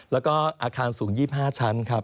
แล้วก็อาคารสูง๒๕ชั้นครับ